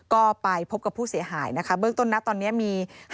ก็ไปพบกับผู้เสียหายนะคะเบื้องต้นนะตอนนี้มี